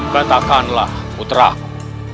katakanlah putra aku